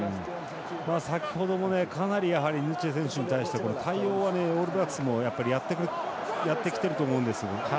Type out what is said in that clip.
先ほどもかなりヌチェ選手に対して対応はオールブラックスもやってきてると思うんです。